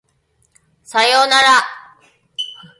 左様なら